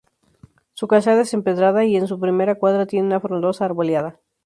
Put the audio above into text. Su calzada es empedrada, y en su primera cuadra tiene una frondosa arboleda.